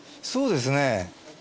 そうですね。